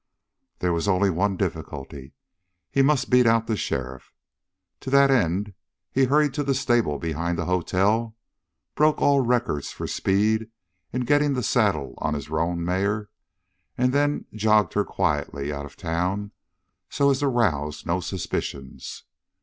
There was only one difficulty. He must beat out the sheriff. To that end he hurried to the stable behind the hotel, broke all records for speed in getting the saddle on his roan mare, and then jogged her quietly out of town so as to rouse no suspicions.